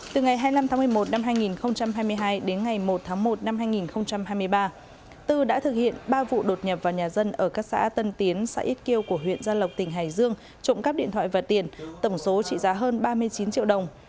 từ ngày hai mươi năm tháng một mươi một năm hai nghìn hai mươi hai đến ngày một tháng một năm hai nghìn hai mươi ba tư đã thực hiện ba vụ đột nhập vào nhà dân ở các xã tân tiến xã ít kiêu của huyện gia lộc tỉnh hải dương trộm cắp điện thoại và tiền tổng số trị giá hơn ba mươi chín triệu đồng